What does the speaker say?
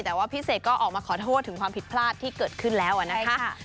แต่ว่าพี่เสกก็ออกมาขอโทษถึงความผิดพลาดที่เกิดขึ้นแล้วนะคะ